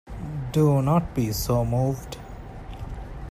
Do not be so moved.